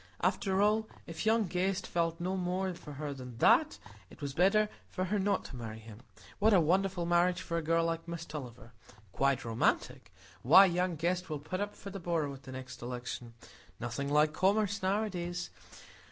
After all, if young Guest felt no more for her than that it was better for her not to marry him. What a wonderful marriage for a girl like Miss Tulliver,—quite romantic? Why, young Guest will put up for the borough at the next election. Nothing like commerce nowadays!